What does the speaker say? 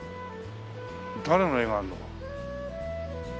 誰の絵があるの？